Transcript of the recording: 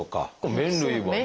麺類はね。